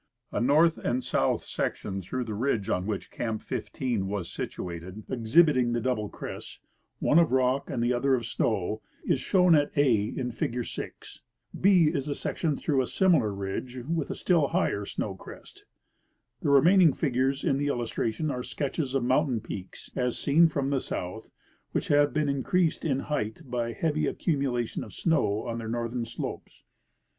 A north and south section through the ridge on which Camp 15 was situated, exhibiting the double crests, one of rock and the other of snow, is shown at a in figure 6. 6 is a section through a similar ridge with a still Figure 6 — Snow Quests on Ridges and Peaks; from Field Sketches. higher snow crest. The remaining figures in the illustration are sketches of mountain peaks, as seen from the south, which have been increased in height by a heavy accumulation of snow on their northern slopes.